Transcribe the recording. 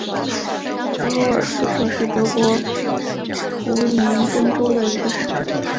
弗卢尔斯特是德国图林根州的一个市镇。